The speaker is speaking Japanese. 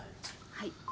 はい。